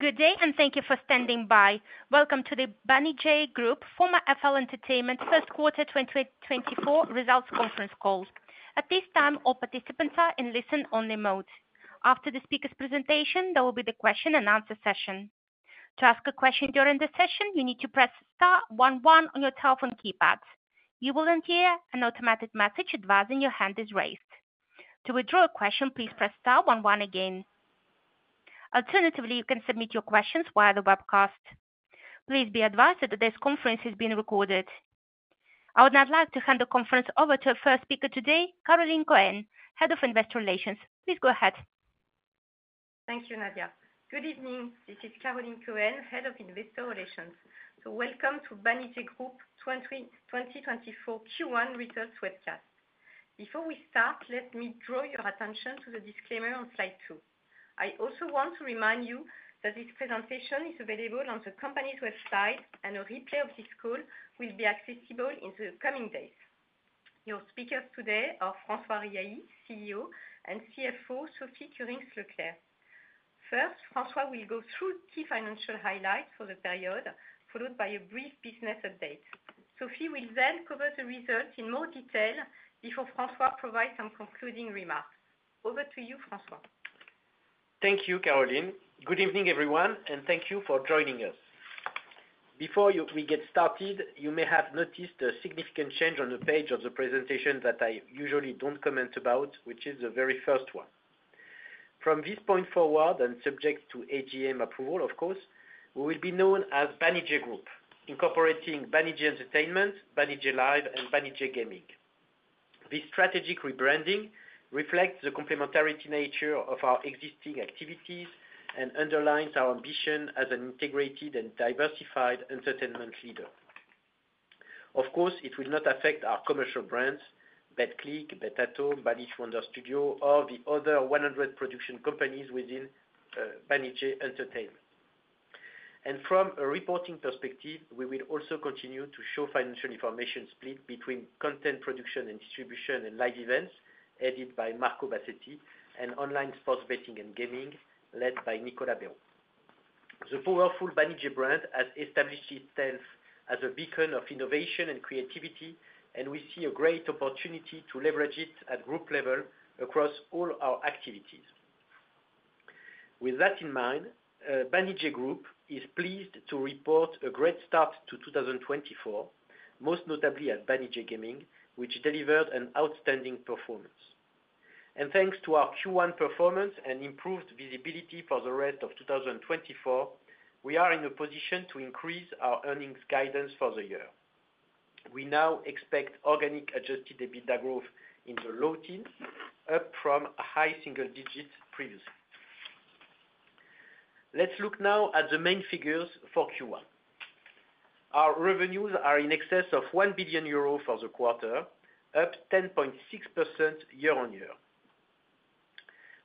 Good day, and thank you for standing by. Welcome to the Banijay Group, former FL Entertainment first quarter 2024 results conference call. At this time, all participants are in listen only mode. After the speaker's presentation, there will be the question and answer session. To ask a question during the session, you need to press star one one on your telephone keypad. You will then hear an automatic message advising your hand is raised. To withdraw a question, please press star one one again. Alternatively, you can submit your questions via the webcast. Please be advised that today's conference is being recorded. I would now like to hand the conference over to our first speaker today, Caroline Cohen, Head of Investor Relations. Please go ahead. Thank you, Nadia. Good evening. This is Caroline Cohen, Head of Investor Relations. Welcome to Banijay Group 2024 Q1 results webcast. Before we start, let me draw your attention to the disclaimer on slide two. I also want to remind you that this presentation is available on the company's website, and a replay of this call will be accessible in the coming days. Your speakers today are François Riahi, CEO, and CFO, Sophie Kurinckx-Leclerc. First, François will go through key financial highlights for the period, followed by a brief business update. Sophie will then cover the results in more detail before François provides some concluding remarks. Over to you, François. Thank you, Caroline. Good evening, everyone, and thank you for joining us. Before we get started, you may have noticed a significant change on the page of the presentation that I usually don't comment about, which is the very first one. From this point forward, and subject to AGM approval, of course, we will be known as Banijay Group, incorporating Banijay Entertainment, Banijay Live, and Banijay Gaming. This strategic rebranding reflects the complementarity nature of our existing activities and underlines our ambition as an integrated and diversified entertainment leader. Of course, it will not affect our commercial brands, Betclic, Bet-at-home, Banijay Wonder Studio, or the other 100 production companies within Banijay Entertainment. From a reporting perspective, we will also continue to show financial information split between content production and distribution and live events, headed by Marco Bassetti, and online sports betting and gaming, led by Nicolas Béraud. The powerful Banijay brand has established itself as a beacon of innovation and creativity, and we see a great opportunity to leverage it at group level across all our activities. With that in mind, Banijay Group is pleased to report a great start to 2024, most notably at Banijay Gaming, which delivered an outstanding performance. Thanks to our Q1 performance and improved visibility for the rest of 2024, we are in a position to increase our earnings guidance for the year. We now expect organic Adjusted EBITDA growth in the low teens, up from high single digits previously. Let's look now at the main figures for Q1. Our revenues are in excess of 1 billion euro for the quarter, up 10.6% year-on-year.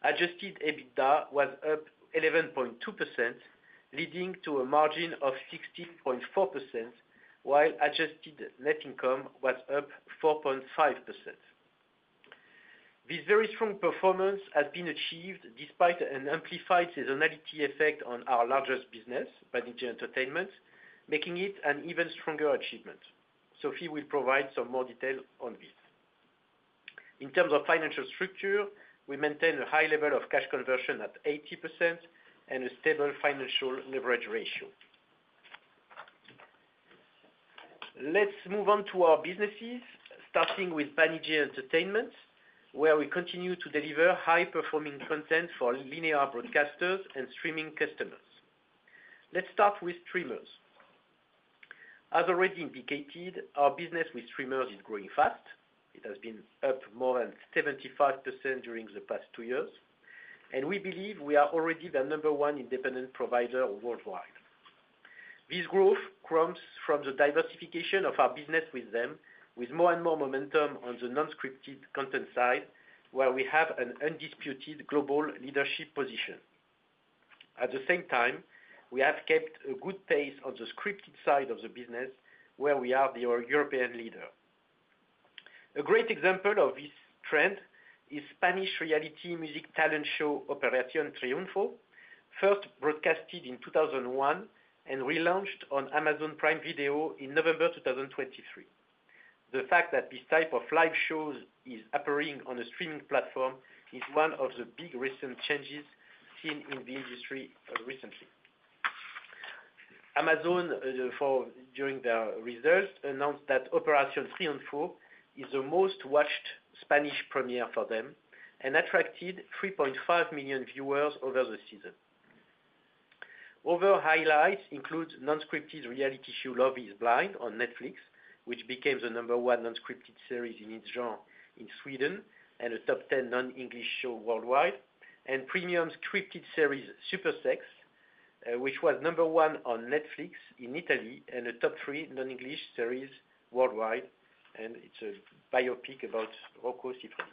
Adjusted EBITDA was up 11.2%, leading to a margin of 16.4%, while adjusted net income was up 4.5%. This very strong performance has been achieved despite an amplified seasonality effect on our largest business, Banijay Entertainment, making it an even stronger achievement. Sophie will provide some more details on this. In terms of financial structure, we maintain a high level of cash conversion at 80% and a stable financial leverage ratio. Let's move on to our businesses, starting with Banijay Entertainment, where we continue to deliver high-performing content for linear broadcasters and streaming customers. Let's start with streamers. As already indicated, our business with streamers is growing fast. It has been up more than 75% during the past two years, and we believe we are already the number one independent provider worldwide. This growth comes from the diversification of our business with them, with more and more momentum on the non-scripted content side, where we have an undisputed global leadership position. At the same time, we have kept a good pace on the scripted side of the business, where we are the European leader. A great example of this trend is Spanish reality music talent show, Operación Triunfo, first broadcasted in 2001 and relaunched on Amazon Prime Video in November 2023. The fact that this type of live shows is appearing on a streaming platform is one of the big recent changes seen in the industry, recently. Amazon, during their results, announced that Operación Triunfo is the most-watched Spanish premiere for them and attracted 3.5 million viewers over the season. Other highlights include non-scripted reality show, Love Is Blind on Netflix, which became the number one non-scripted series in its genre in Sweden, and a top 10 non-English show worldwide, and premium scripted series, Supersex, which was number one on Netflix in Italy and a top three non-English series worldwide, and it's a biopic about Rocco Siffredi.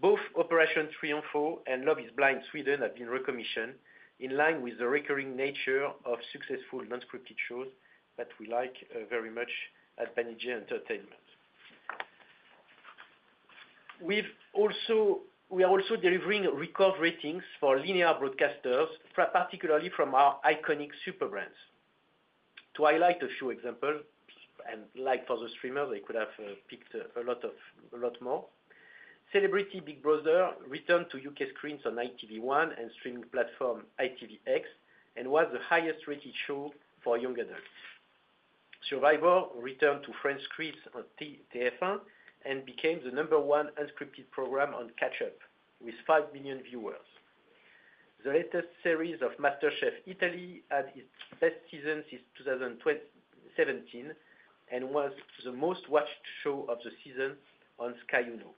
Both Operación Triunfo and Love Is Blind: Sweden have been recommissioned in line with the recurring nature of successful non-scripted shows that we like very much at Banijay Entertainment. We've also, we are also delivering record ratings for linear broadcasters, particularly from our iconic super brands. To highlight a few examples, and like for the streamers, I could have, picked a lot of, a lot more. Celebrity Big Brother returned to U.K. screens on ITV1 and streaming platform ITVX, and was the highest-rated show for young adults. Survivor returned to French screens on TF1 and became the number one unscripted program on Catch Up with 5 million viewers. The latest series of MasterChef Italy had its best season since 2017, and was the most-watched show of the season on Sky Uno.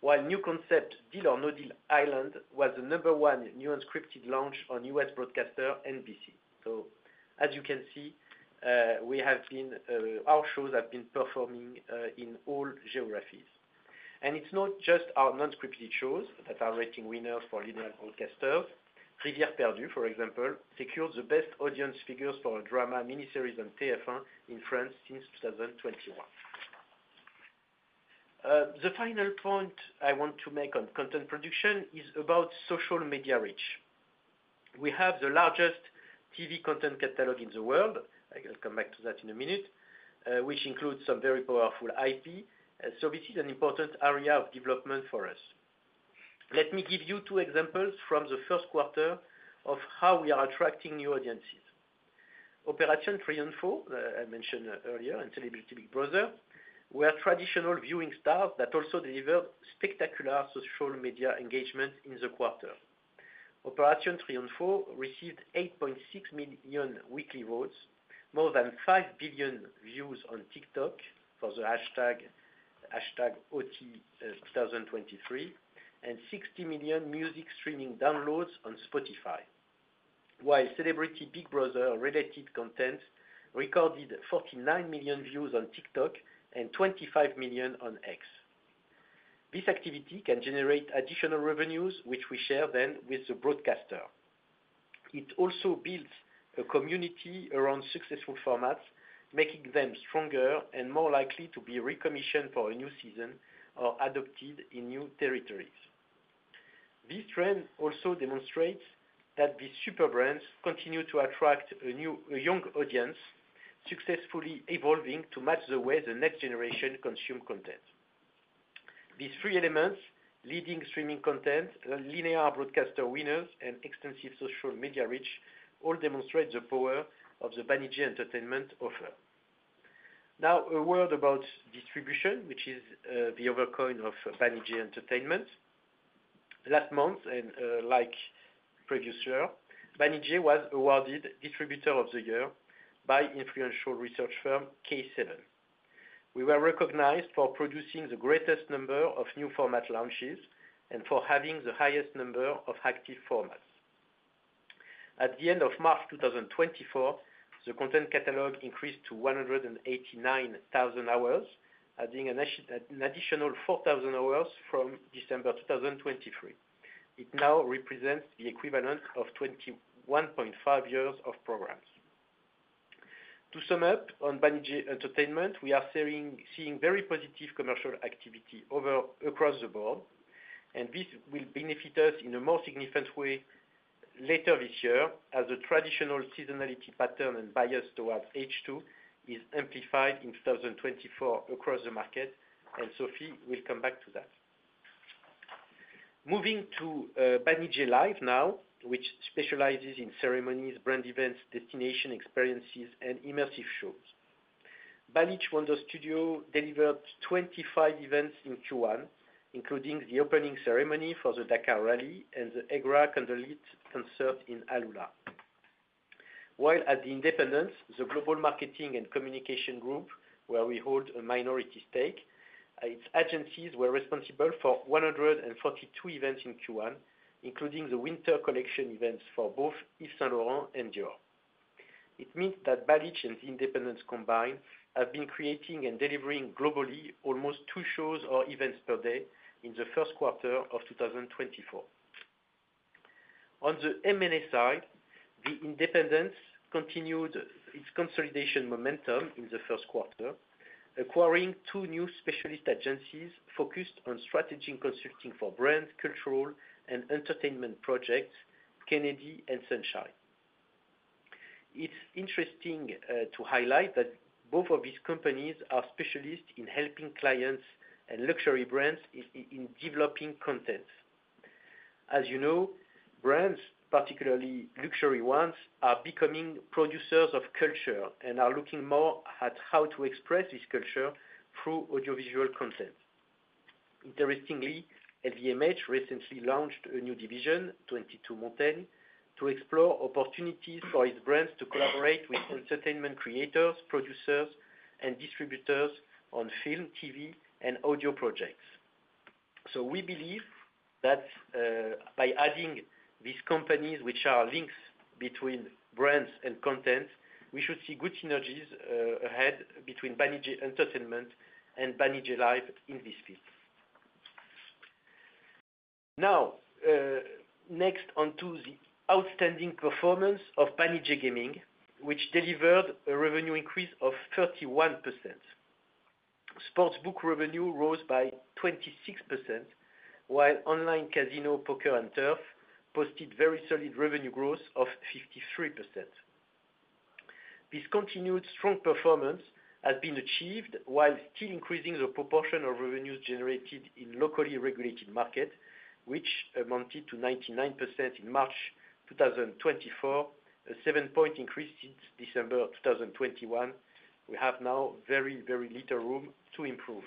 While new concept, Deal or No Deal Island, was the number one new unscripted launch on U.S. broadcaster NBC. So as you can see, we have been, our shows have been performing, in all geographies. And it's not just our non-scripted shows that are rating winners for linear broadcasters. Rivière-Perdue, for example, secured the best audience figures for a drama miniseries on TF1 in France since 2021. The final point I want to make on content production is about social media reach. We have the largest TV content catalog in the world. I'll come back to that in a minute, which includes some very powerful IP. So this is an important area of development for us. Let me give you two examples from the first quarter of how we are attracting new audiences. Operación Triunfo, I mentioned earlier, and Celebrity Big Brother, were traditional viewing formats that also delivered spectacular social media engagement in the quarter. Operación Triunfo received 8.6 million weekly votes, more than 5 billion views on TikTok for the hashtag, hashtag OT, 2023, and 60 million music streaming downloads on Spotify. While Celebrity Big Brother-related content recorded 49 million views on TikTok and 25 million on X. This activity can generate additional revenues, which we share then with the broadcaster. It also builds a community around successful formats, making them stronger and more likely to be recommissioned for a new season or adopted in new territories. This trend also demonstrates that these super brands continue to attract a new, young audience, successfully evolving to match the way the next generation consume content. These three elements, leading streaming content, linear broadcaster winners, and extensive social media reach, all demonstrate the power of the Banijay Entertainment offer. Now, a word about distribution, which is, the other coin of Banijay Entertainment. Last month, like previous year, Banijay was awarded Distributor of the Year by influential research firm K7. We were recognized for producing the greatest number of new format launches and for having the highest number of active formats. At the end of March 2024, the content catalog increased to 189,000 hours, adding an additional 4,000 hours from December 2023. It now represents the equivalent of 21.5 years of programs. To sum up on Banijay Entertainment, we are seeing very positive commercial activity over across the board, and this will benefit us in a more significant way later this year, as the traditional seasonality pattern and bias towards H2 is amplified in 2024 across the market, and Sophie will come back to that. Moving to Banijay Live now, which specializes in ceremonies, brand events, destination experiences, and immersive shows. Banijay Wonder Studio delivered 25 events in Q1, including the opening ceremony for the Dakar Rally and the Hegra Candlelit Concert in AlUla. While at The Independents, the global marketing and communication group, where we hold a minority stake, its agencies were responsible for 142 events in Q1, including the winter collection events for both Yves Saint Laurent and Dior. It means that Banijay and The Independents combined have been creating and delivering globally almost two shows or events per day in the first quarter of 2024. On the M&A side, The Independents continued its consolidation momentum in the first quarter, acquiring two new specialist agencies focused on strategy and consulting for brand, cultural, and entertainment projects, Kennedy and Sunshine. It's interesting to highlight that both of these companies are specialists in helping clients and luxury brands in developing content. As you know, brands, particularly luxury ones, are becoming producers of culture and are looking more at how to express this culture through audiovisual content. Interestingly, LVMH recently launched a new division, 22 Montaigne, to explore opportunities for its brands to collaborate with entertainment creators, producers, and distributors on film, TV, and audio projects. So we believe that, by adding these companies, which are links between brands and content, we should see good synergies ahead between Banijay Entertainment and Banijay Live in this field. Now, next on to the outstanding performance of Banijay Gaming, which delivered a revenue increase of 31%. Sports book revenue rose by 26%, while online casino, poker, and turf posted very solid revenue growth of 53%. This continued strong performance has been achieved while still increasing the proportion of revenues generated in locally regulated market, which amounted to 99% in March 2024, a seven-point increase since December 2021. We have now very, very little room to improve.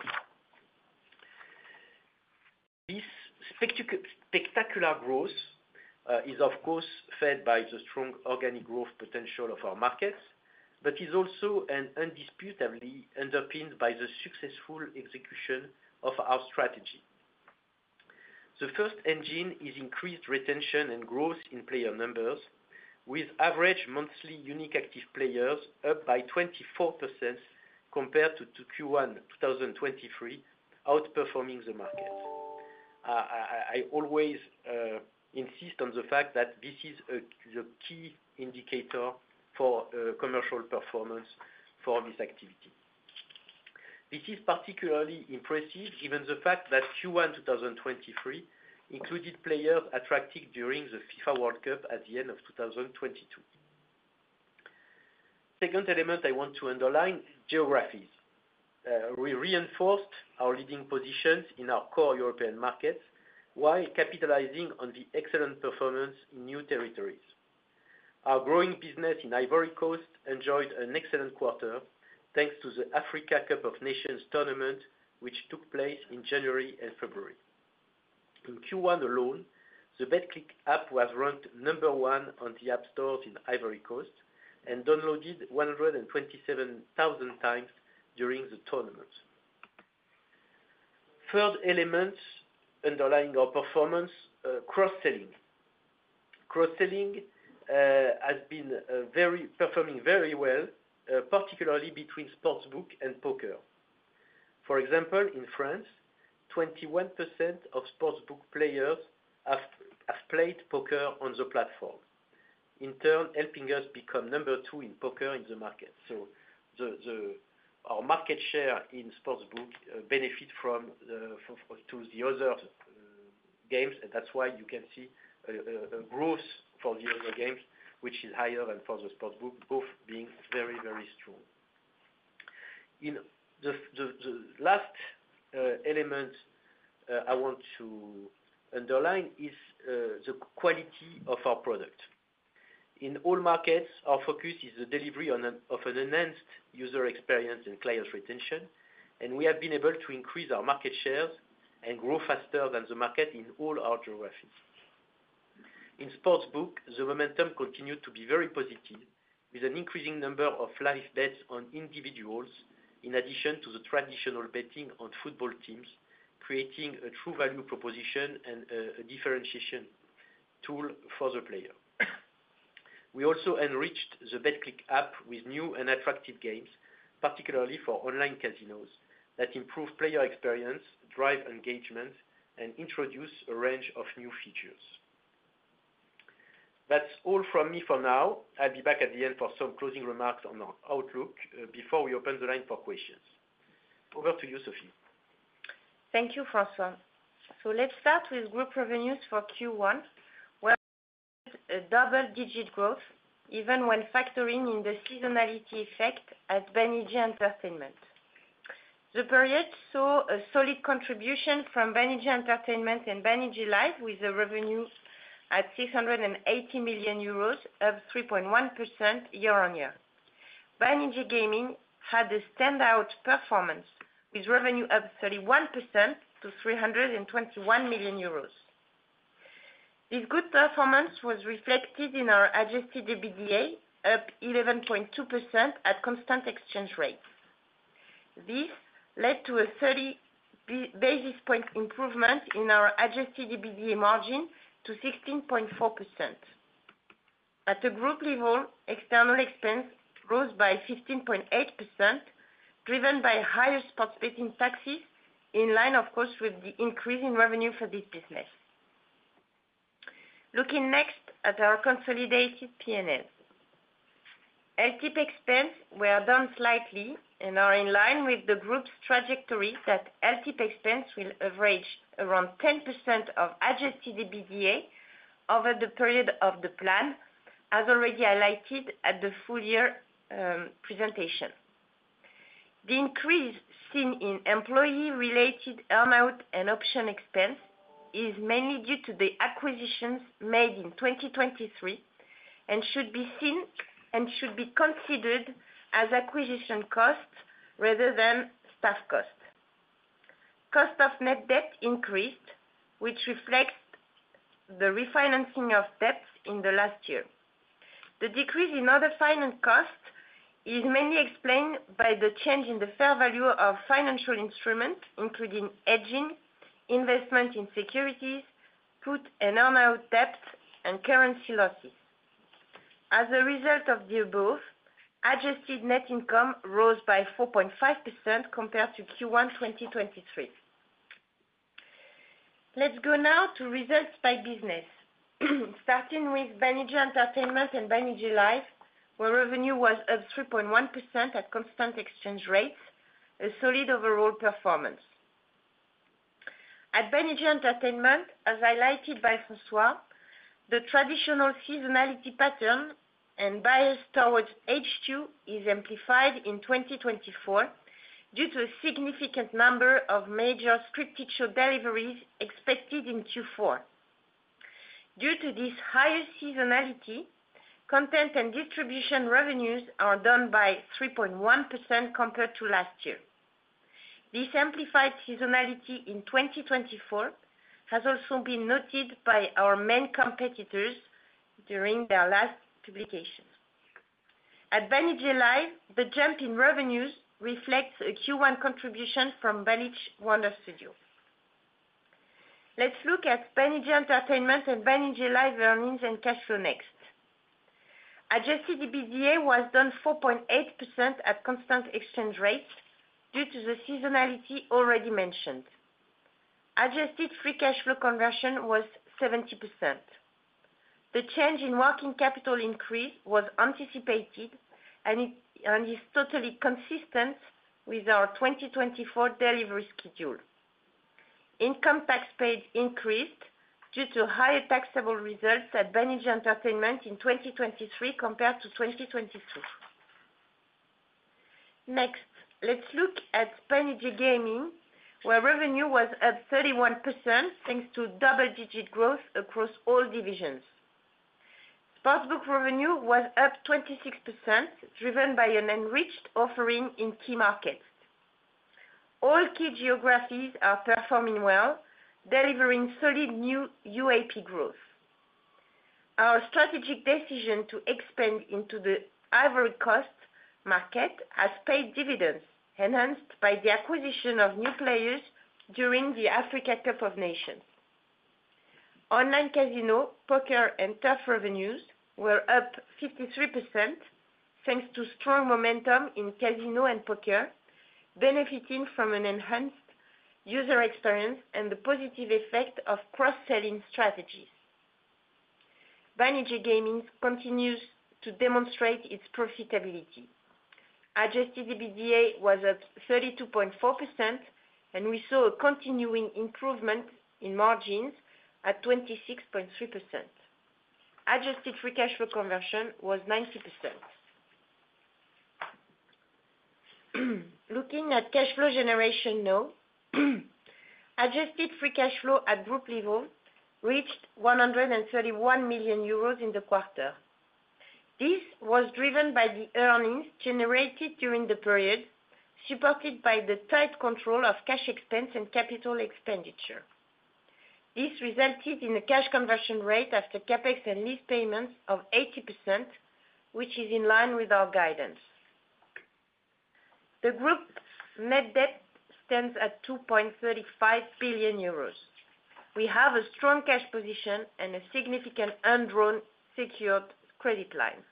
This spectacular growth is of course fed by the strong organic growth potential of our markets, but is also indisputably underpinned by the successful execution of our strategy. The first engine is increased retention and growth in player numbers, with average monthly unique active players up by 24% compared to Q1 2023, outperforming the market. I always insist on the fact that this is the key indicator for commercial performance for this activity. This is particularly impressive given the fact that Q1 2023 included players attracted during the FIFA World Cup at the end of 2022. Second element I want to underline, geographies. We reinforced our leading positions in our core European markets, while capitalizing on the excellent performance in new territories. Our growing business in Ivory Coast enjoyed an excellent quarter, thanks to the Africa Cup of Nations tournament, which took place in January and February. In Q1 alone, the Betclic app was ranked number one on the App Stores in Ivory Coast and downloaded 127,000 times during the tournament. Third element underlying our performance, cross-selling. Cross-selling has been performing very well, particularly between sportsbook and poker. For example, in France, 21% of sportsbook players have played poker on the platform. In turn, helping us become number two in poker in the market. So our market share in sportsbook benefit from the other games, and that's why you can see a growth for the other games, which is higher than for the sportsbook, both being very, very strong. In the last element I want to underline is the quality of our product. In all markets, our focus is the delivery of an enhanced user experience and client retention, and we have been able to increase our market shares and grow faster than the market in all our geographies. In sportsbook, the momentum continued to be very positive, with an increasing number of live bets on individuals, in addition to the traditional betting on football teams, creating a true value proposition and, a differentiation tool for the player. We also enriched the Betclic app with new and attractive games, particularly for online casinos, that improve player experience, drive engagement, and introduce a range of new features. That's all from me for now. I'll be back at the end for some closing remarks on our outlook, before we open the line for questions. Over to you, Sophie. Thank you, François. So let's start with group revenues for Q1, where a double-digit growth, even when factoring in the seasonality effect at Banijay Entertainment. The period saw a solid contribution from Banijay Entertainment and Banijay Live, with the revenue at 680 million euros, up 3.1% year-on-year. Banijay Gaming had a standout performance, with revenue up 31% to 321 million euros. This good performance was reflected in our adjusted EBITDA, up 11.2% at constant exchange rates. This led to a thirty basis point improvement in our adjusted EBITDA margin to 16.4%. At a group level, external expense rose by 15.8%, driven by higher sports betting taxes, in line, of course, with the increase in revenue for this business. Looking next at our consolidated P&L. LTIP expense were down slightly and are in line with the group's trajectory, that LTIP expense will average around 10% of adjusted EBITDA over the period of the plan, as already highlighted at the full year presentation. The increase seen in employee-related earn-out and option expense is mainly due to the acquisitions made in 2023, and should be seen, and should be considered as acquisition costs rather than staff costs. Cost of net debt increased, which reflects the refinancing of debts in the last year. The decrease in other finance costs is mainly explained by the change in the fair value of financial instruments, including hedging, investment in securities, put and earn-out debt, and currency losses. As a result of the above, adjusted net income rose by 4.5% compared to Q1 2023. Let's go now to results by business. Starting with Banijay Entertainment and Banijay Live, where revenue was up 3.1% at constant exchange rates, a solid overall performance. At Banijay Entertainment, as highlighted by François, the traditional seasonality pattern and bias towards H2 is amplified in 2024 due to a significant number of major scripted show deliveries expected in Q4. Due to this higher seasonality, content and distribution revenues are down by 3.1% compared to last year. This amplified seasonality in 2024 has also been noted by our main competitors during their last publication. At Banijay Live, the jump in revenues reflects a Q1 contribution from Banijay Wonder Studio. Let's look at Banijay Entertainment and Banijay Live earnings and cash flow next. Adjusted EBITDA was down 4.8% at constant exchange rates due to the seasonality already mentioned. Adjusted free cash flow conversion was 70%. The change in working capital increase was anticipated and is totally consistent with our 2024 delivery schedule. Income tax paid increased due to higher taxable results at Banijay Entertainment in 2023 compared to 2022. Next, let's look at Banijay Gaming, where revenue was up 31%, thanks to double-digit growth across all divisions. Sportsbook revenue was up 26%, driven by an enriched offering in key markets. All key geographies are performing well, delivering solid new UAP growth. Our strategic decision to expand into the Ivory Coast market has paid dividends, enhanced by the acquisition of new players during the Africa Cup of Nations. Online casino, poker, and turf revenues were up 53%, thanks to strong momentum in casino and poker, benefiting from an enhanced user experience and the positive effect of cross-selling strategies. Banijay Gaming continues to demonstrate its profitability. Adjusted EBITDA was up 32.4%, and we saw a continuing improvement in margins at 26.3%. Adjusted free cash flow conversion was 90%. Looking at cash flow generation now, adjusted free cash flow at group level reached 131 million euros in the quarter. This was driven by the earnings generated during the period, supported by the tight control of cash expense and capital expenditure. This resulted in a cash conversion rate after CapEx and lease payments of 80%, which is in line with our guidance. The group's net debt stands at 2.35 billion euros. We have a strong cash position and a significant undrawn secured credit line.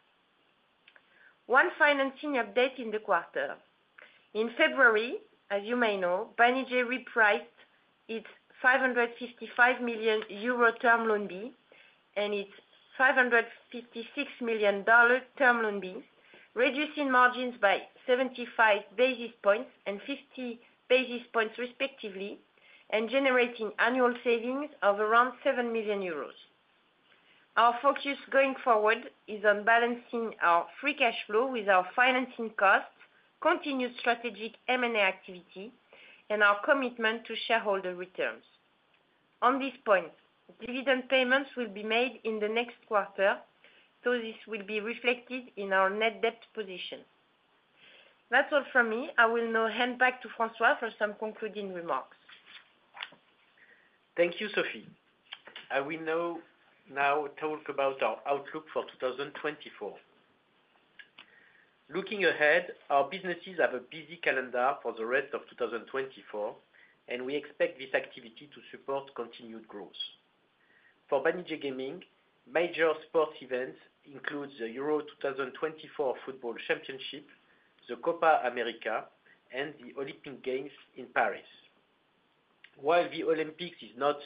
One financing update in the quarter. In February, as you may know, Banijay repriced its 555 million euro term loan B and its $556 million term loan B, reducing margins by 75 basis points and 50 basis points respectively, and generating annual savings of around 7 million euros. Our focus going forward is on balancing our free cash flow with our financing costs, continued strategic M&A activity, and our commitment to shareholder returns. On this point, dividend payments will be made in the next quarter, so this will be reflected in our net debt position. That's all from me. I will now hand back to François for some concluding remarks. Thank you, Sophie. I will now talk about our outlook for 2024. Looking ahead, our businesses have a busy calendar for the rest of 2024, and we expect this activity to support continued growth. For Banijay Gaming, major sports events includes the Euro 2024 Football Championship, the Copa América, and the Olympic Games in Paris. While the Olympics is not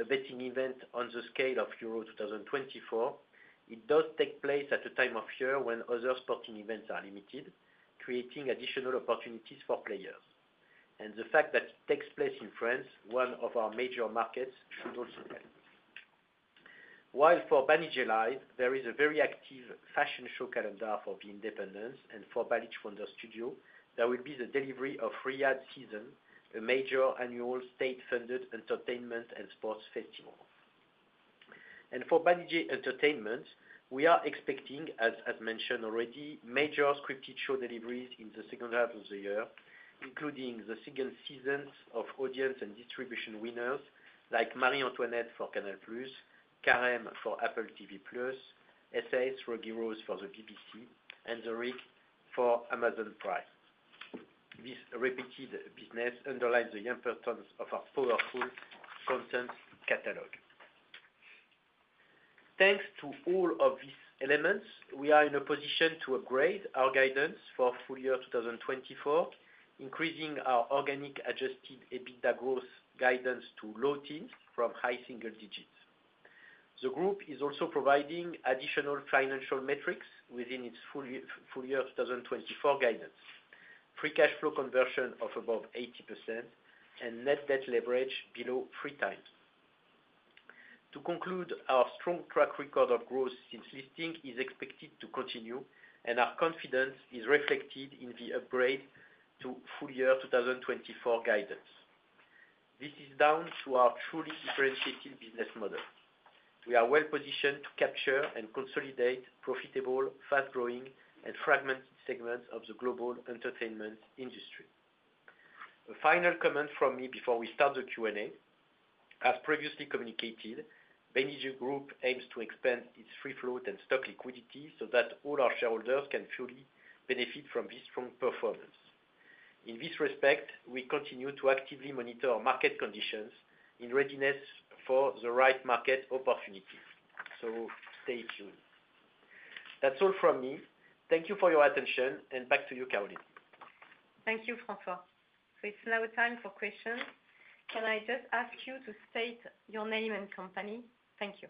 a betting event on the scale of Euro 2024, it does take place at a time of year when other sporting events are limited, creating additional opportunities for players. The fact that it takes place in France, one of our major markets, should also help. While for Banijay Live, there is a very active fashion show calendar for The Independents and for Banijay Wonder Studio, there will be the delivery of Riyadh Season, a major annual state-funded entertainment and sports festival. For Banijay Entertainment, we are expecting, as mentioned already, major scripted show deliveries in the second half of the year, including the second seasons of audience and distribution winners like Marie Antoinette for Canal+, Carême for Apple TV Plus, SAS: Rogue Heroes for the BBC, and The Rig for Amazon Prime. This repeated business underlines the importance of our powerful content catalog. Thanks to all of these elements, we are in a position to upgrade our guidance for full year 2024, increasing our organic adjusted EBITDA growth guidance to low teens from high single digits. The group is also providing additional financial metrics within its full year 2024 guidance. Free cash flow conversion of above 80% and net debt leverage below 3x. To conclude, our strong track record of growth since listing is expected to continue, and our confidence is reflected in the upgrade to full year 2024 guidance. This is down to our truly differentiated business model. We are well-positioned to capture and consolidate profitable, fast-growing and fragmented segments of the global entertainment industry. A final comment from me before we start the Q&A. As previously communicated, Banijay Group aims to expand its free float and stock liquidity so that all our shareholders can fully benefit from this strong performance. In this respect, we continue to actively monitor our market conditions in readiness for the right market opportunity. So stay tuned. That's all from me. Thank you for your attention and back to you, Caroline. Thank you, François. So it's now time for questions. Can I just ask you to state your name and company? Thank you.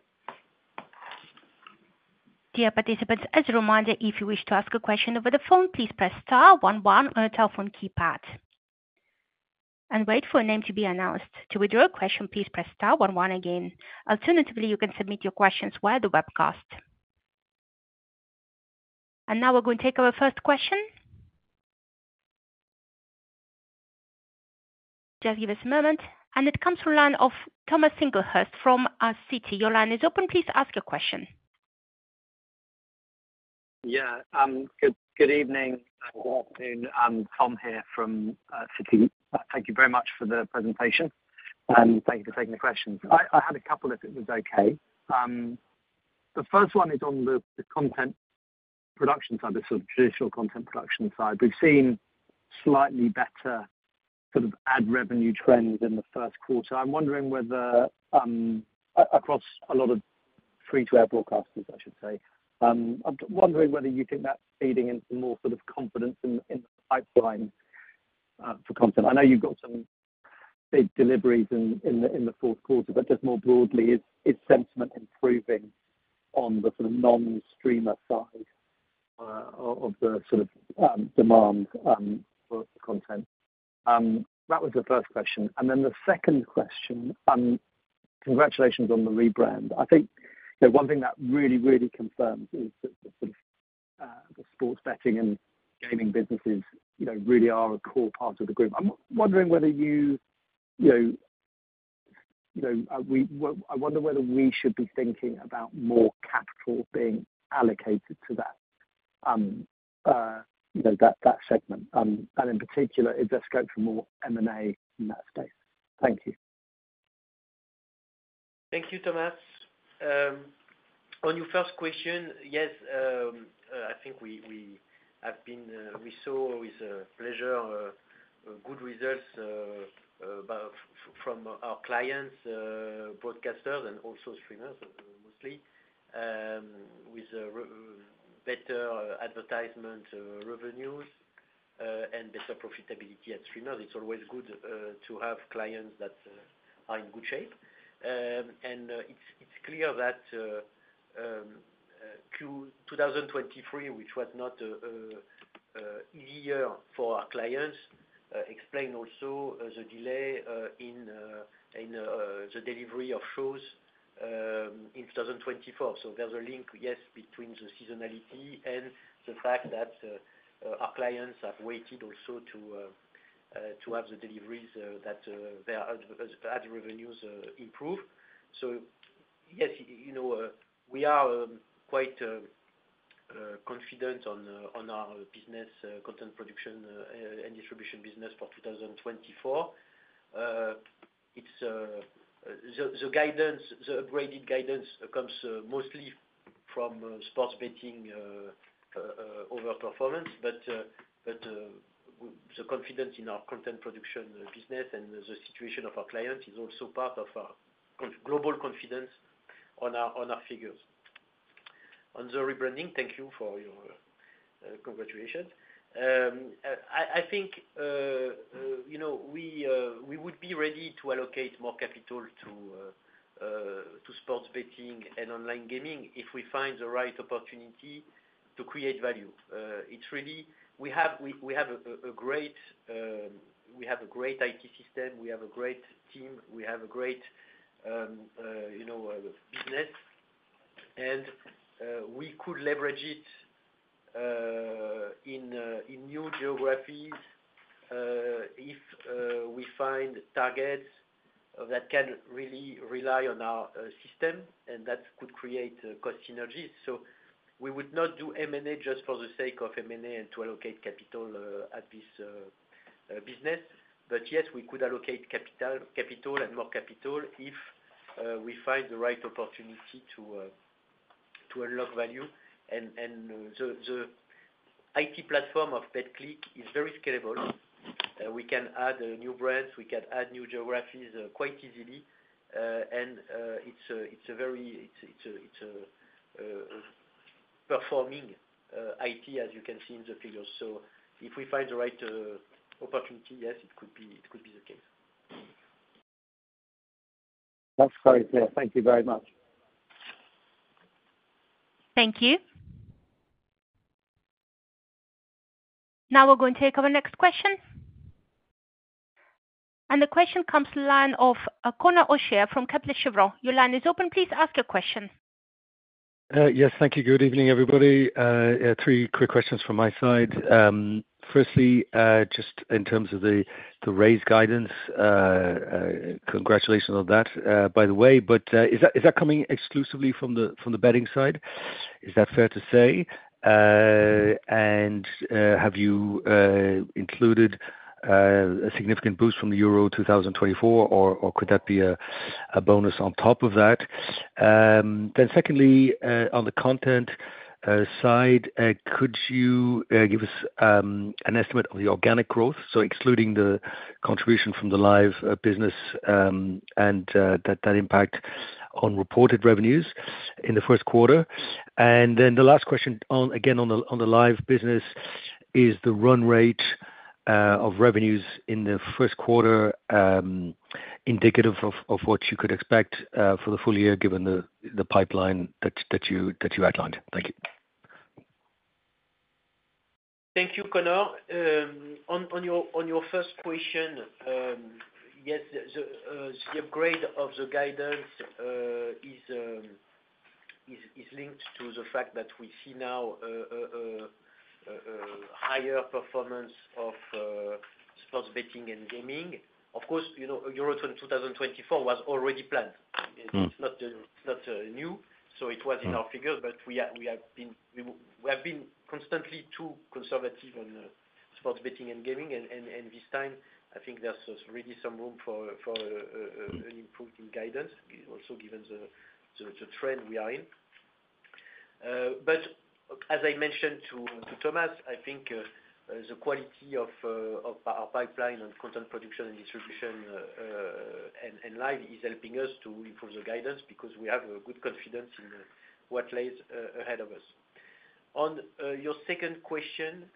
Dear participants, as a reminder, if you wish to ask a question over the phone, please press star one one on your telephone keypad, and wait for a name to be announced. To withdraw a question, please press star one one again. Alternatively, you can submit your questions via the webcast. And now we're going to take our first question. Just give us a moment, and it comes from line of Thomas Singlehurst from Citi. Your line is open. Please ask your question. Yeah, good, good evening. Good afternoon. I'm Tom here from Citi. Thank you very much for the presentation, and thank you for taking the questions. I had a couple, if it was okay. The first one is on the content production side, the sort of traditional content production side. We've seen slightly better sort of ad revenue trends in the first quarter. I'm wondering whether across a lot of free-to-air broadcasters, I should say. I'm wondering whether you think that's feeding into more sort of confidence in the pipeline for content. I know you've got some big deliveries in the fourth quarter, but just more broadly, is sentiment improving on the sort of non-streamer side of the sort of demand for content? That was the first question. And then the second question, congratulations on the rebrand. I think that one thing that really, really confirms is that the sports betting and gaming businesses, you know, really are a core part of the group. I'm wondering whether you, you know, I wonder whether we should be thinking about more capital being allocated to that, you know, that segment, and in particular, is there scope for more M&A in that space? Thank you. Thank you, Thomas. On your first question, yes, I think we saw with pleasure good results from our clients, broadcasters and also streamers, mostly with better advertisement revenues and better profitability at streamers. It's always good to have clients that are in good shape. And it's clear that 2023, which was not an easy year for our clients, explain also the delay in the delivery of shows in 2024. So there's a link, yes, between the seasonality and the fact that our clients have waited also to have the deliveries that their ad revenues improve. So yes, you know, we are quite confident on our business content production and distribution business for 2024. It's the upgraded guidance comes mostly from sports betting over performance. But the confidence in our content production business and the situation of our clients is also part of our global confidence on our figures. On the rebranding, thank you for your congratulations. I think, you know, we would be ready to allocate more capital to sports betting and online gaming if we find the right opportunity to create value. It's really... We have a great IT system. We have a great team. We have a great, you know, business. And we could leverage it in new geographies if we find targets that can really rely on our system, and that could create cost synergies. So we would not do M&A just for the sake of M&A and to allocate capital at this business. But yes, we could allocate capital and more capital if we find the right opportunity to unlock value. And the IT platform of Betclic is very scalable. We can add new brands, we can add new geographies quite easily. And it's a very performing IT, as you can see in the figures. If we find the right opportunity, yes, it could be, it could be the case. That's very clear. Thank you very much. Thank you. Now we're going to take our next question. And the question comes to the line of, Conor O'Shea from Kepler Cheuvreux. Your line is open, please ask your question. Yes. Thank you. Good evening, everybody. Three quick questions from my side. Firstly, just in terms of the raised guidance, congratulations on that, by the way. But, is that coming exclusively from the betting side? Is that fair to say? And, have you included a significant boost from the Euro 2024, or could that be a bonus on top of that? Then secondly, on the content side, could you give us an estimate on the organic growth, so excluding the contribution from the live business, and that impact on reported revenues in the first quarter? Then the last question on the live business again is the run rate of revenues in the first quarter indicative of what you could expect for the full year, given the pipeline that you outlined? Thank you. Thank you, Connor. On your first question, yes, the upgrade of the guidance is linked to the fact that we see now higher performance of sports betting and gaming. Of course, you know, Euro 2024 was already planned. Mm-hmm. It's not new, so it was in our figures, but we have been constantly too conservative on sports betting and gaming. And this time, I think there's really some room for an improved guidance, also given the trend we are in. But as I mentioned to Thomas, I think the quality of our pipeline and content production and distribution, and live, is helping us to improve the guidance, because we have a good confidence in what lays ahead of us. On your second question,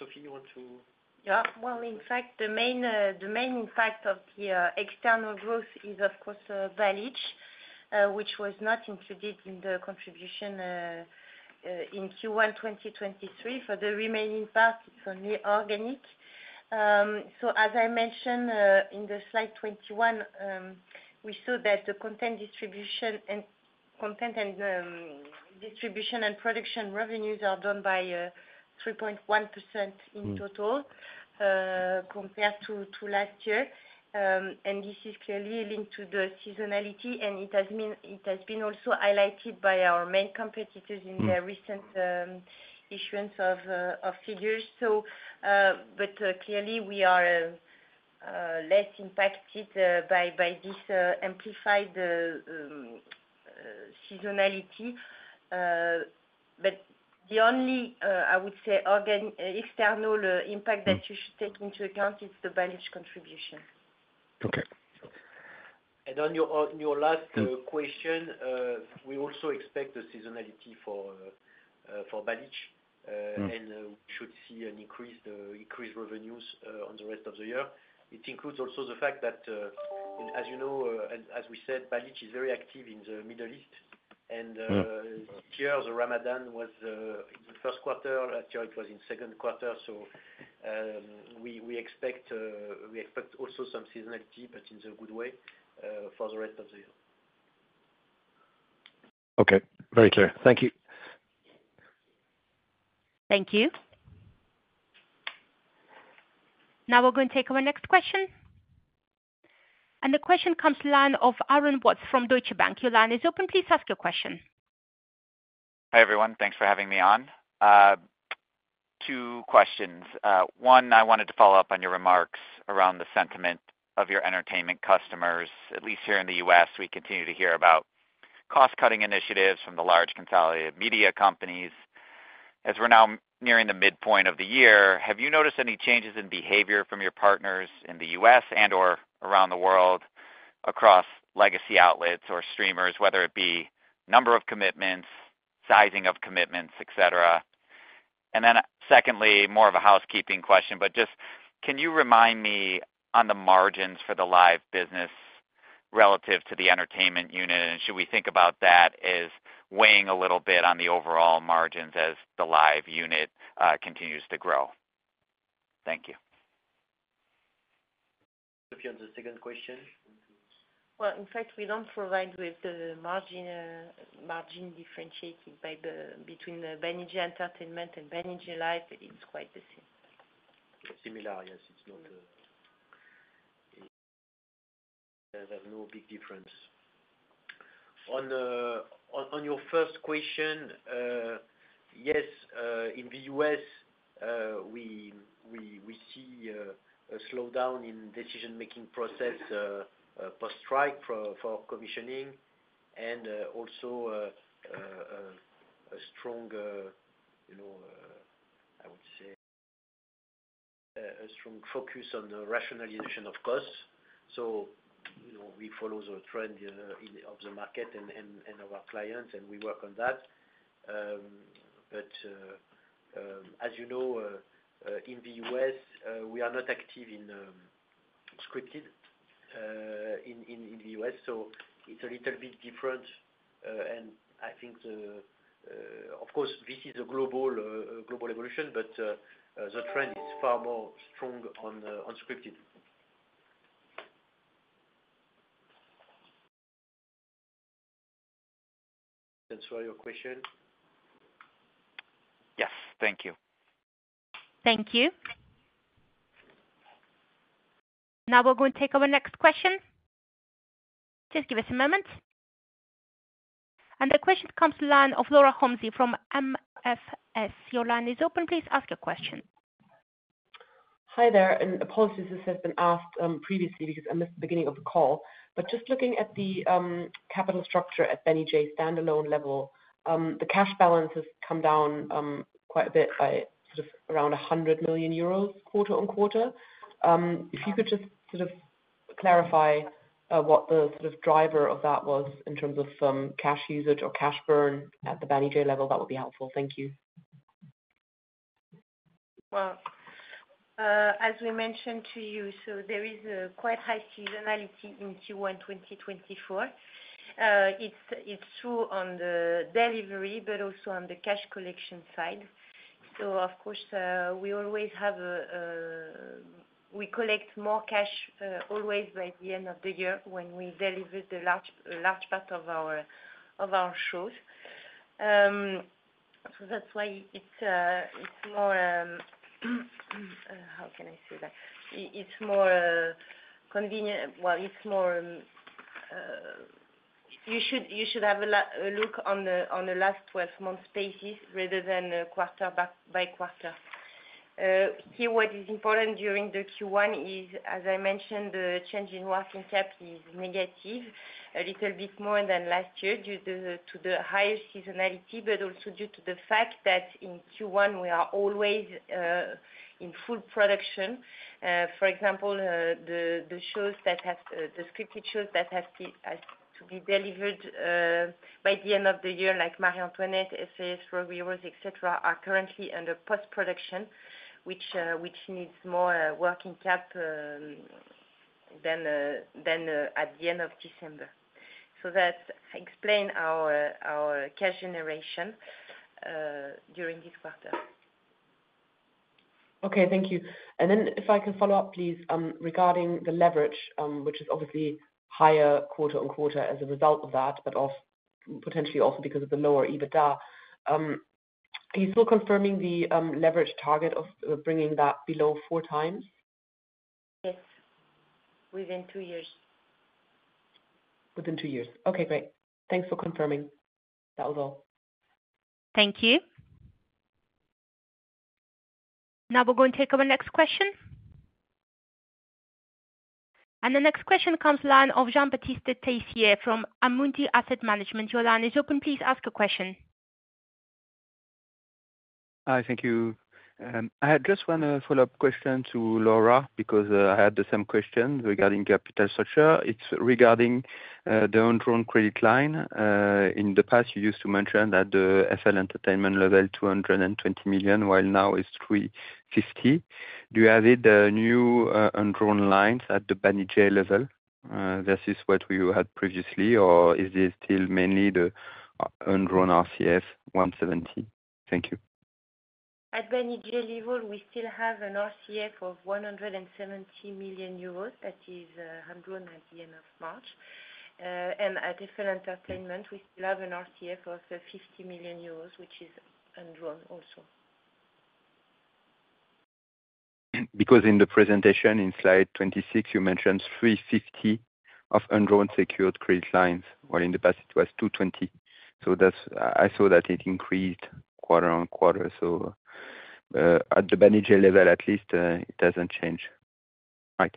Sophie, you want to? Yeah. Well, in fact, the main impact of the external growth is, of course, Balich which was not included in the contribution in Q1 2023. For the remaining part, it's only organic. So as I mentioned, in the slide 21, we saw that the content distribution and content and distribution and production revenues are down by 3.1% in total compared to last year. This is clearly linked to the seasonality, and it has been also highlighted by our main competitors in their recent issuance of figures. So, but, clearly, we are less impacted by this amplified seasonality. But the only, I would say, external impact that you should take into account is the Balich contribution. Okay. on your last Question, we also expect the seasonality for Balich We should see an increased, increased revenues on the rest of the year. It includes also the fact that, as you know, as we said, Banijay is very active in the Middle East.This year, the Ramadan was in the first quarter. Last year it was in second quarter. We expect also some seasonality, but in the good way, for the rest of the year. Okay. Very clear. Thank you. Thank you. Now we're going to take our next question. The question comes to line of Aaron Watts from Deutsche Bank. Your line is open, please ask your question. Hi, everyone. Thanks for having me on. Two questions. One, I wanted to follow up on your remarks around the sentiment of your entertainment customers. At least here in the U.S., we continue to hear about cost-cutting initiatives from the large consolidated media companies. As we're now nearing the midpoint of the year, have you noticed any changes in behavior from your partners in the U.S. and/or around the world, across legacy outlets or streamers, whether it be number of commitments, sizing of commitments, et cetera? And then secondly, more of a housekeeping question, but just can you remind me on the margins for the live business relative to the entertainment unit? And should we think about that as weighing a little bit on the overall margins as the live unit continues to grow? Thank you. If you have the second question. Well, in fact, we don't provide with the margin, margin differentiating between the Banijay Entertainment and Banijay Live. It's quite the same. Similar, yes, it's not. There's no big difference. On your first question. Yes, in the U.S., we see a slowdown in decision making process post strike for commissioning and also a stronger, you know, I would say, a strong focus on the rationalization of costs. So, you know, we follow the trend in the market and our clients, and we work on that. But, as you know, in the U.S., we are not active in scripted in the U.S. so it's a little bit different. And I think, of course, this is a global evolution, but the trend is far more strong on scripted. Answer your question? Yes. Thank you. Thank you. Now, we're going to take our next question. Just give us a moment. And the question comes from the line of Laura Homsy from MFS. Your line is open. Please ask your question. Hi there, and apologies if this has been asked previously, because I missed the beginning of the call. Just looking at the capital structure at Banijay's standalone level, the cash balance has come down quite a bit by sort of around 100 million euros quarter on quarter. If you could just sort of clarify what the sort of driver of that was in terms of cash usage or cash burn at the Banijay level, that would be helpful. Thank you. Well, as we mentioned to you, so there is quite high seasonality in Q1 2024. It's true on the delivery, but also on the cash collection side. So of course, we always collect more cash by the end of the year when we deliver the large part of our shows. So that's why it's more, how can I say that? It's more convenient. Well, you should have a look on the last twelve month basis rather than a quarter by quarter. Here what is important during the Q1 is, as I mentioned, the change in working cap is negative, a little bit more than last year due to the higher seasonality, but also due to the fact that in Q1 we are always in full production. For example, the scripted shows that have to, has to be delivered by the end of the year, like Marie Antoinette, SAS, Rogue Heroes, et cetera, are currently under post-production, which needs more working cap than at the end of December. So that explain our cash generation during this quarter. Okay, thank you. And then if I can follow up, please, regarding the leverage, which is obviously higher quarter-on-quarter as a result of that, but also potentially also because of the lower EBITDA. Are you still confirming the leverage target of bringing that below 4x? Yes. Within two years. Within two years. Okay, great. Thanks for confirming. That was all. Thank you. Now, we're going to take our next question. The next question comes from the line of Jean-Baptiste Teissier from Amundi Asset Management. Your line is open, please ask your question. Hi, thank you. I had just one follow-up question to Laura because I had the same question regarding capital structure. It's regarding the undrawn credit line. In the past, you used to mention that the FL Entertainment level, 220 million, while now it's 350 million. Do you added new undrawn lines at the Banijay level? This is what we had previously, or is this still mainly the undrawn RCF 170 million? Thank you. At Banijay level, we still have an RCF of 170 million euros. That is, undrawn at the end of March. And at Banijay Entertainment, we still have an RCF of 50 million euros, which is undrawn also. Because in the presentation, in slide 26, you mentioned 350 of undrawn secured credit lines, while in the past it was 220. So that's—I saw that it increased quarter-over-quarter. So, at the Banijay level, at least, it doesn't change. Right.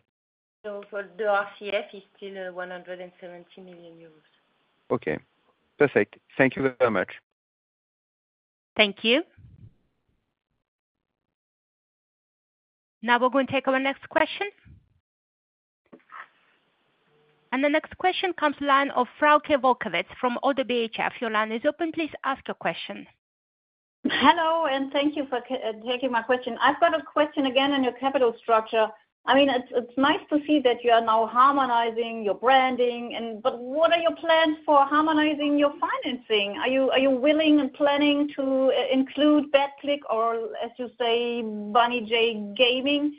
For the RCF is still 170 million euros. Okay, perfect. Thank you very much. Thank you. Now, we're going to take our next question. The next question comes from the line of Frauke Wolkowitz from ODDO BHF. Your line is open. Please ask your question. Hello, and thank you for taking my question. I've got a question again on your capital structure. I mean, it's nice to see that you are now harmonizing your branding, but what are your plans for harmonizing your financing? Are you willing and planning to include Betclic, or as you say, Banijay Gaming,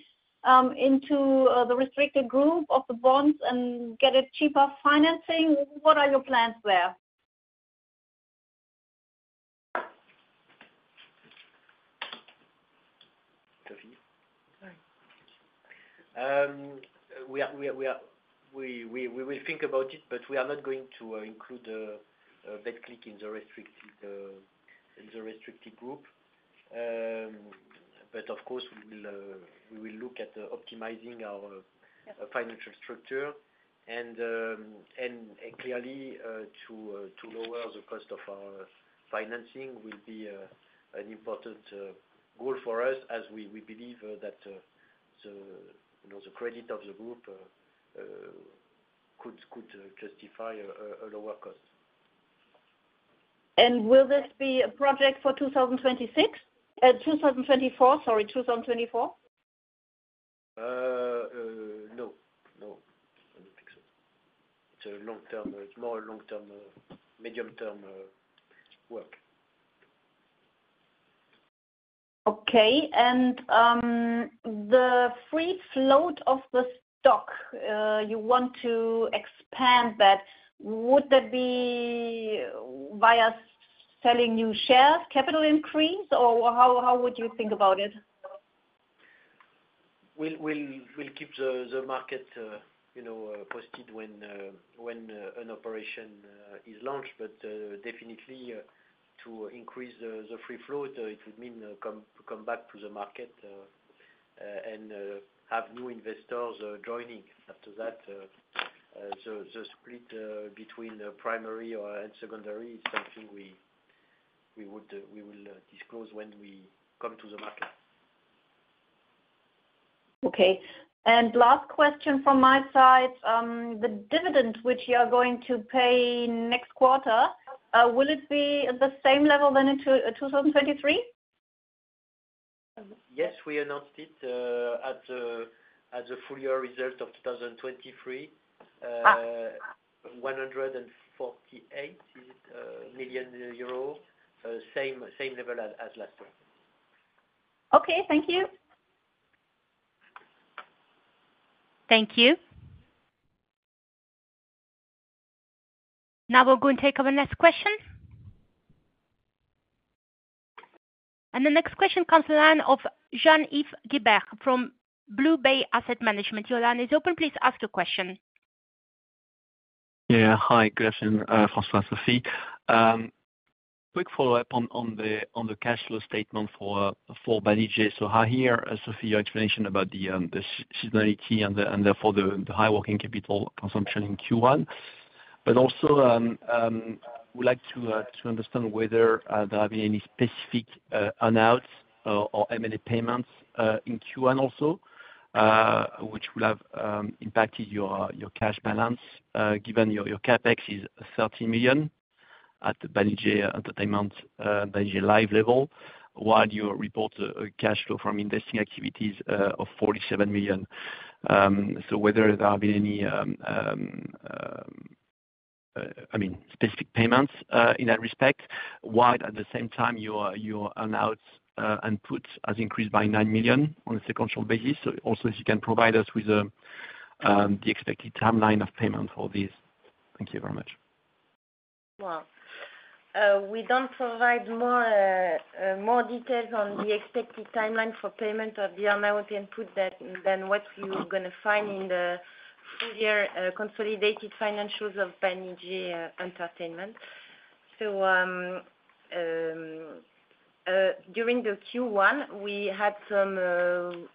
into the restricted group of the bonds and get a cheaper financing? What are your plans there? We will think about it, but we are not going to include Betclic in the restricted group. But of course, we will look at optimizing our-financial structure, and clearly to lower the cost of our financing will be an important goal for us as we believe that, you know, the credit of the group could justify a lower cost. Will this be a project for 2026, 2024? Sorry, 2024. No, no, I don't think so. It's a long-term. It's more a long-term, medium-term, work. Okay. And, the free float of the stock, you want to expand that. Would that be via selling new shares, capital increase, or how, how would you think about it? We'll keep the market, you know, posted when an operation is launched. But definitely, to increase the free float, it would mean come back to the market and have new investors joining after that. The split between the primary and secondary is something we will disclose when we come to the market. Okay. Last question from my side. The dividend, which you are going to pay next quarter, will it be at the same level than in 2023? Yes, we announced it at the full year result of 2023. Ah. 148 million euros, is it? Same level as last time. Okay, thank you. Thank you. Now we'll go and take our next question. The next question comes in the line of Jean-Yves Guibert from BlueBay Asset Management. Your line is open, please ask your question. Yeah. Hi, good afternoon, François, Sophie. Quick follow-up on the cash flow statement for Banijay. So I hear, Sophie, your explanation about the seasonality and therefore the high working capital consumption in Q1. But also, would like to understand whether there have been any specific advances or M&A payments in Q1 also, which will have impacted your cash balance, given your CapEx is 30 million at the Banijay Entertainment, Banijay Live level, while you report cash flow from investing activities of 47 million. So whether there have been any, I mean, specific payments in that respect, while at the same time your advances and inputs has increased by 9 million on a sequential basis. Also, if you can provide us with the expected timeline of payment for this. Thank you very much. Well, we don't provide more details on the expected timeline for payment of the annuity input than what you're gonna find in the full year consolidated financials of Banijay Entertainment. So, during the Q1, we had some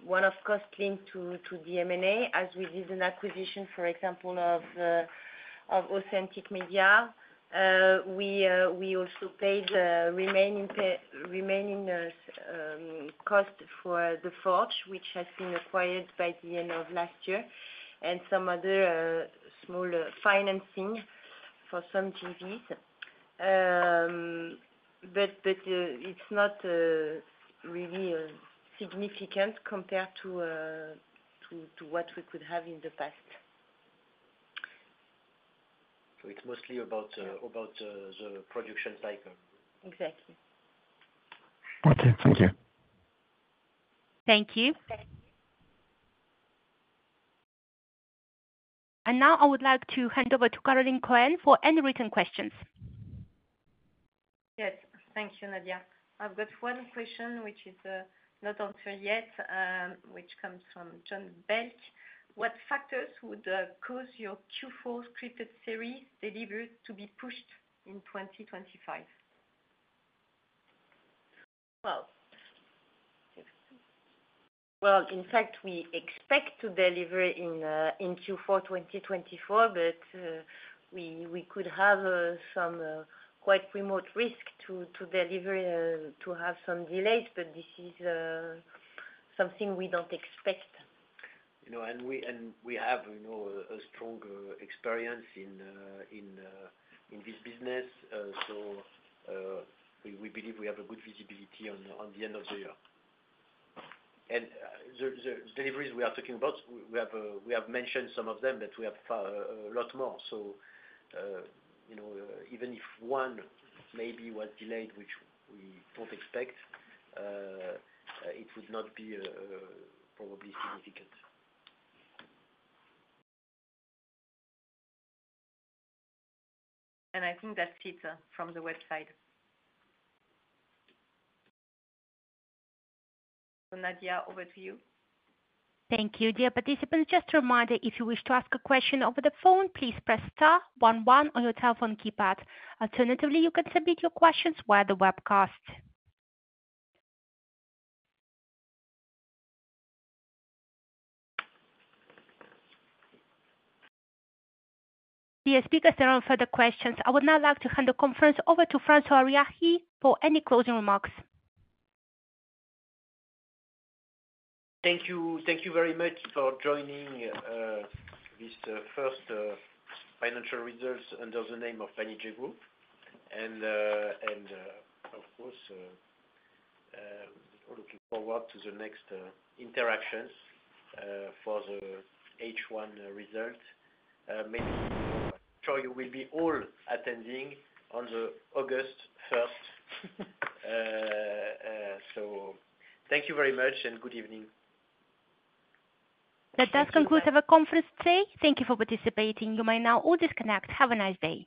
one-off costs linked to the M&A, as we did an acquisition, for example, of Authentic Media. We also paid the remaining cost for The Forge, which has been acquired by the end of last year, and some other smaller financing for some JVs. But it's not really significant compared to what we could have in the past. So it's mostly about the production cycle. Exactly. Okay, thank you. Thank you. And now I would like to hand over to Caroline Cohen for any written questions. Yes, thank you, Nadia. I've got one question, which is not answered yet, which comes from John Belk: What factors would cause your Q4 scripted series delivery to be pushed in 2025? Well, in fact, we expect to deliver in Q4 2024, but we could have some quite remote risk to deliver to have some delays, but this is something we don't expect. You know, and we, and we have, you know, a strong experience in this business. So, we, we believe we have a good visibility on the end of the year. And, the deliveries we are talking about, we, we have mentioned some of them, but we have a lot more. So, you know, even if one maybe was delayed, which we don't expect, it would not be probably significant. I think that's it from the website. Nadia, over to you. Thank you. Dear participants, just a reminder, if you wish to ask a question over the phone, please press star one one on your telephone keypad. Alternatively, you can submit your questions via the webcast. Dear speakers, there are no further questions. I would now like to hand the conference over to François Riahi for any closing remarks. Thank you. Thank you very much for joining this first financial results under the name of Banijay Group. And, of course, we're looking forward to the next interactions for the H1 result. Make sure you will be all attending on the August 1st. So thank you very much, and good evening. That does conclude our conference today. Thank you for participating. You may now all disconnect. Have a nice day.